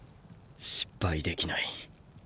失敗できない。